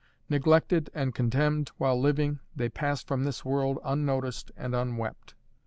Neglected and contemned while living, they pass from this world unnoticed and unwept.